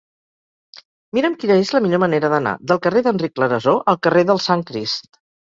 Mira'm quina és la millor manera d'anar del carrer d'Enric Clarasó al carrer del Sant Crist.